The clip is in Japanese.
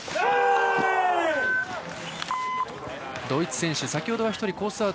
ドイツ選手、先ほどは１人コース